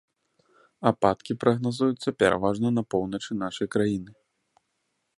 Ападкі прагназуюцца пераважна на поўначы нашай краіны.